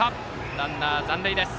ランナー残塁です。